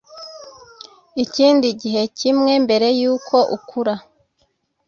ikindi gihe kimwe mbere yuko ukura